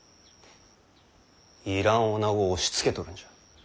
要らんおなごを押しつけとるんじゃ。